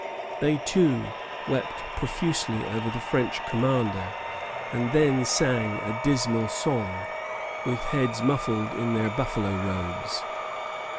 They, too, wept profusely over the French commander, and then sang a dismal song, with heads muffled in their buffalo robes.